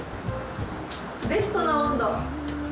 ベストな温度。